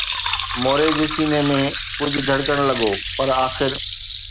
موري جي سيني ۾ ڪجهه ڌڙڪڻ لڳو، پر آخر